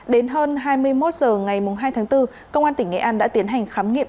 đến hơn hai mươi một h ngày hai tháng bốn công an tỉnh nghệ an đã tiến hành khám nghiệm